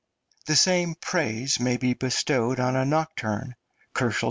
The same praise may be bestowed on a nocturne (286 K.)